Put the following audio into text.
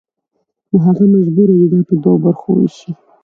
نو هغه مجبور دی چې دا په دوو برخو ووېشي